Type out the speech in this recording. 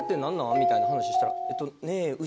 みたいな話したら。